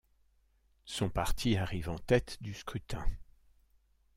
Son parti arrive en tête du scrutin.